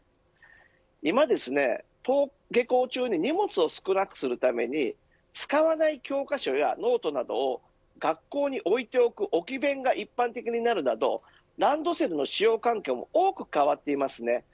今は登下校時荷物を少なくするために使わない教科書やノートなどを学校に置いておく置き勉が一般的になるなどランドセルの使用環境も多く変わっていますね。